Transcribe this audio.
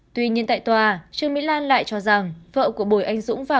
tuy nhiên tại tòa trương mỹ lan lại cho rằng vợ của bùi anh dũng và